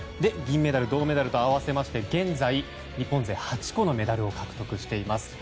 銀メダル、銅メダル合わせて現在、日本勢８個のメダルを獲得しています。